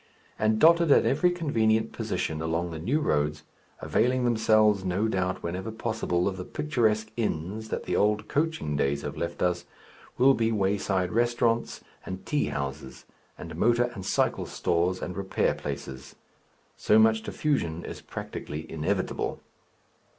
And dotted at every convenient position along the new roads, availing themselves no doubt whenever possible of the picturesque inns that the old coaching days have left us, will be wayside restaurants and tea houses, and motor and cycle stores and repair places. So much diffusion is practically inevitable.